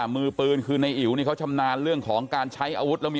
มือปืนคือในอิ๋วนี่เขาชำนาญเรื่องของการใช้อาวุธแล้วมี